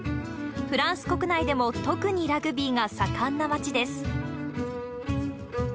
フランス国内でも特にラグビーが盛んな町です。